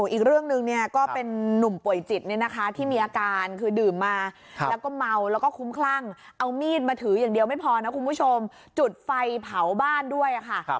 อีกเรื่องหนึ่งเนี่ยก็เป็นนุ่มป่วยจิตเนี่ยนะคะที่มีอาการคือดื่มมาแล้วก็เมาแล้วก็คุ้มคลั่งเอามีดมาถืออย่างเดียวไม่พอนะคุณผู้ชมจุดไฟเผาบ้านด้วยค่ะ